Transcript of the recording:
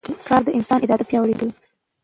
کار د انسان اراده پیاوړې کوي